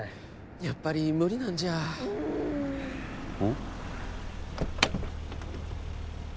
やっぱり無理なんじゃおっ？